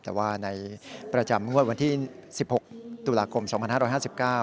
แต่ว่าในประจำงวดวันที่สิบหกตุลาคมสองพันห้าร้อยห้าสิบเก้า